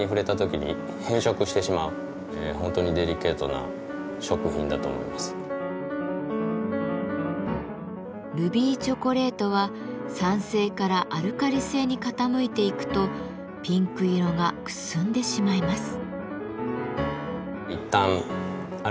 何か他のものと混ぜた時にルビーチョコレートは酸性からアルカリ性に傾いていくとピンク色がくすんでしまいます。